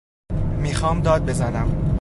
می خوام داد بزنم